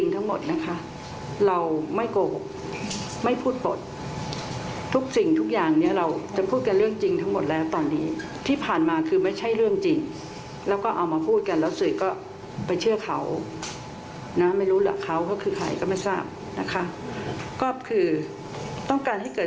ตายยังไงทำไมต้องถึงตายทำไมต้องทำร้ายลูกเราถึงตายขนาดนี้